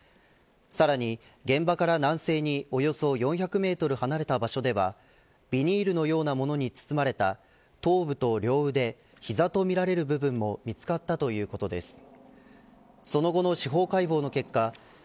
さらに現場から南西におよそ４００メートル離れた場所ではビニールのようなものに包まれた頭部と両腕膝とみられる部分も見つかったということです。